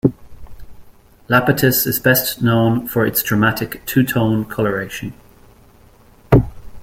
Iapetus is best known for its dramatic "two-tone" coloration.